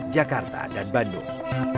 jakarta dan bandung